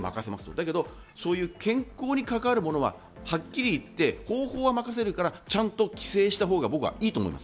だけど健康に関わるものははっきり言って方法は任せるからちゃんと規制したほうが僕はいいと思います。